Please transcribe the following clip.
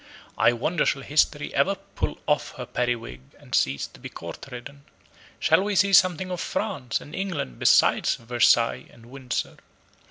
I wonder shall History ever pull off her periwig and cease to be court ridden? Shall we see something of France and England besides Versailles and Windsor?